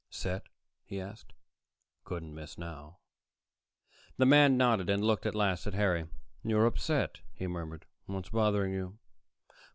"Set?" he asked. "Couldn't miss now." The man nodded and looked at last at Harry. "You're upset," he murmured. "What's bothering you?"